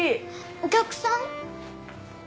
お客さん？